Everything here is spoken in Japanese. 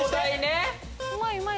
うまいうまい！